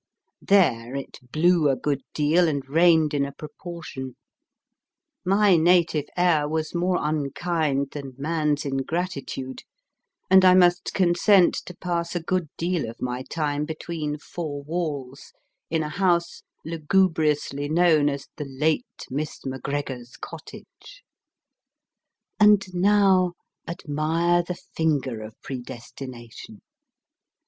There it blew a good deal and rained in a proportion ; my native air was more unkind than man s ingratitude, and I must consent to pass a good deal of my time between four walls in a house lugubri ously known as the Late Miss McGregor s Cottage. And now admire the finger of predestination.